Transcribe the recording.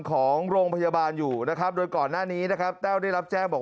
ของโรงพยาบาลอยู่นะครับโดยก่อนหน้านี้นะครับแต้วได้รับแจ้งบอก